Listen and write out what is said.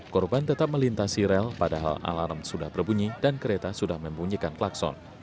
korban tetap melintasi rel padahal alarm sudah berbunyi dan kereta sudah membunyikan klakson